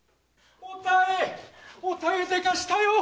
お妙でかしたよ！